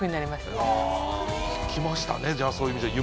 できましたねじゃあそういう意味じゃ夢。